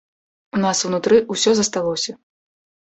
У нас унутры ўсё засталося.